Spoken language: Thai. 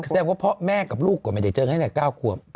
แสดงว่าพ่อแม่กับลูกก็ไม่ได้เจอแค่๙ขวบ